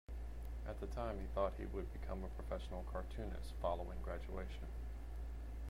At the time he thought he would become a professional cartoonist following graduation.